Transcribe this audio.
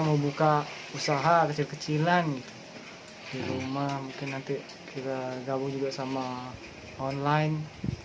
mau buka usaha kecil kecilan di rumah mungkin nanti kita gabung juga sama online